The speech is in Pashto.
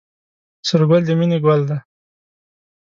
سور ګل د مینې ګل دی